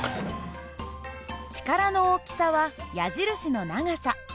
力の大きさは矢印の長さ。